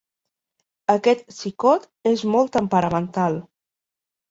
Aquest xicot és molt temperamental.